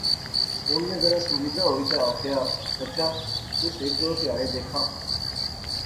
ہن میں ذرا سنجیدہ ہوئی تہ آخیا، چچا۔۔۔ تس ہیک دو تہاڑے دیکھا